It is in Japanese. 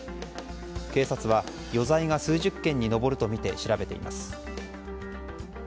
警察は余罪が数十件に上るとみて調べています。